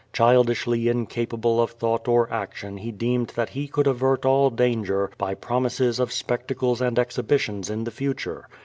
Childishly incapable of thought or action he deemed that he could avert all danger by promises of specta cles and exhibitions in the future.